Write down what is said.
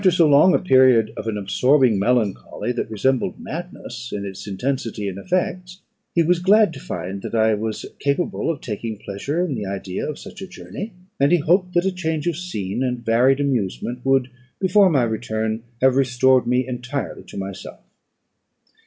After so long a period of an absorbing melancholy, that resembled madness in its intensity and effects, he was glad to find that I was capable of taking pleasure in the idea of such a journey, and he hoped that change of scene and varied amusement would, before my return, have restored me entirely to myself.